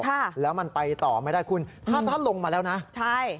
ค่ะแล้วมันไปต่อไม่ได้คุณถ้าถ้าลงมาแล้วนะใช่